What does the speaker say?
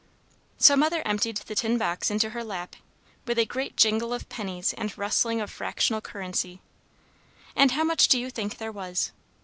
So Mother emptied the tin box into her lap, with a great jingle of pennies and rustling of fractional currency. And how much do you think there was?